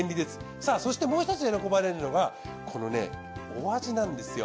さあそしてもうひとつ喜ばれるのがこのねお味なんですよ。